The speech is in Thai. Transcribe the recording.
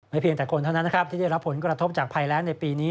เพียงแต่คนเท่านั้นนะครับที่ได้รับผลกระทบจากภัยแรงในปีนี้